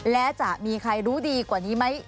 และจะมีใครรู้ดีกว่านี้ไหม